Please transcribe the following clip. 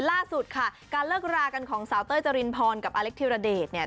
ล่าสุดค่ะการเลิกรากันของสาวเต้ยจรินพรกับอเล็กธิรเดชเนี่ย